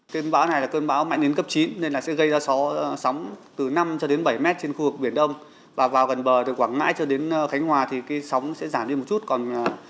cơn bão này là cơn bão mạnh đến cấp chín nên là sẽ gây ra sóng từ năm cho đến bảy mét trên khu vực biển đông và vào gần bờ từ quảng ngãi cho đến khánh hòa thì cái sóng sẽ giảm đi một chút còn độ cao là khoảng bốn đến sáu mét